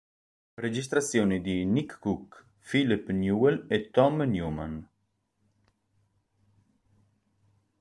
Registrazioni di Nick Cook, Philip Newell e Tom Newman.